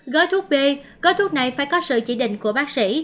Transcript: gói thuốc b gói thuốc này phải có sự chỉ định của bác sĩ